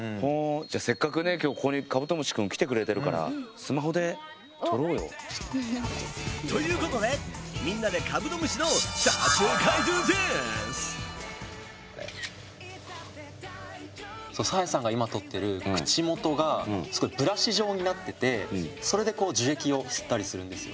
じゃあせっかくね今日ここにカブトムシくん来てくれてるからということでみんなでカブトムシのさあやさんが今撮ってる口元がブラシ状になっててそれでこう樹液を吸ったりするんですよ。